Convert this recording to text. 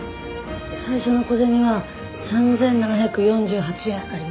最初の小銭は３７４８円ありました。